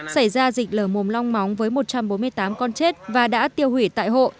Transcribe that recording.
xảy ra dịch lở mồm long móng với một trăm bốn mươi tám con chết và đã tiêu hủy tại hộ